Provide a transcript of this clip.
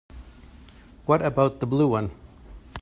What about the blue one?